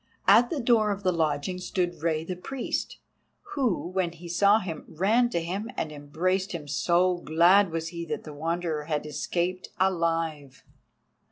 At the door of the lodging stood Rei the Priest, who, when he saw him, ran to him and embraced him, so glad was he that the Wanderer had escaped alive.